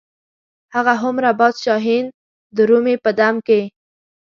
هغه هومره باز شاهین درومي په دم کې.